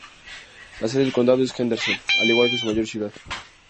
La sede del condado es Henderson, al igual que su mayor ciudad.